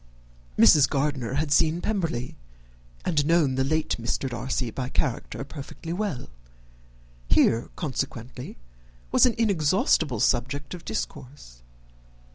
Mrs. Gardiner had seen Pemberley, and known the late Mr. Darcy by character perfectly well. Here, consequently, was an inexhaustible subject of discourse.